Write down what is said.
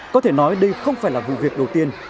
có thể nói đây không phải là vụ việc đầu tiên